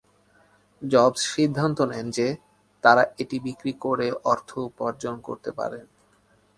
Jobs সিদ্ধান্ত নেন যে তারা এটি বিক্রয় করে অর্থ উপার্জন করতে পারেন।